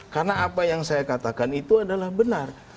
karena apa yang saya katakan itu adalah benar